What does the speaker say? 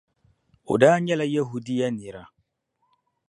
O daa nyɛla Yɛhudia nira.